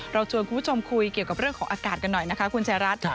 ชวนคุณผู้ชมคุยเกี่ยวกับเรื่องของอากาศกันหน่อยนะคะคุณชายรัฐ